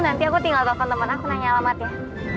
nanti aku tinggal telfon temen aku nanya alamatnya